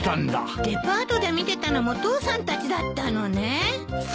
デパートで見てたのも父さんたちだったのね。